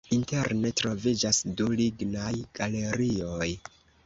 Interne troviĝas du lignaj galerioj.